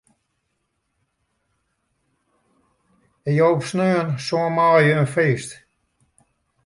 Ik jou op sneon sân maaie in feest.